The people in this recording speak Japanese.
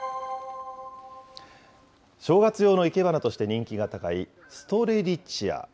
正月用の生け花として人気が高いストレリチア。